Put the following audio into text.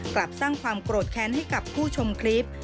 ก็ทำกรดแค้นให้กับผู้ชมคลิป